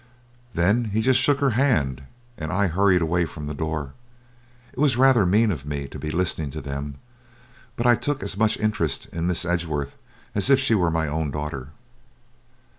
"Then he just shook her hand, and I hurried away from the door. It was rather mean of me to be listening to them, but I took as much interest in Miss Edgeworth as if she were my own daughter.